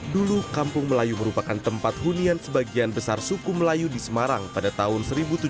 dulu kampung melayu merupakan tempat hunian sebagian besar suku melayu di semarang pada tahun seribu tujuh ratus